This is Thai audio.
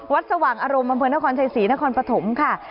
วัดสว่างอารมณ์ี่บรรพีนครใสนนครปฐมค่ะ